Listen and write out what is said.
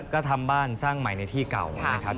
ก็ทำบ้านสร้างใหม่ในที่เก่านะครับ